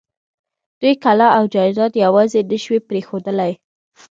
دوی کلا او جايداد يواځې نه شوی پرېښودلای.